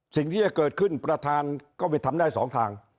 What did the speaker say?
สิ่งที่จะเกิดขึ้นประธานก็ไปทำได้สองทาง